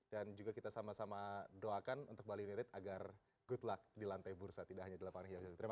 dan juga kita sama sama doakan untuk bali united agar good luck di lantai bursa tidak hanya di lapangan rumput maupun di lantai bursa